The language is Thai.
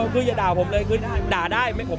พูดหยาบพูดตลกอะไรก็ดูไม่ค่อยหยาบ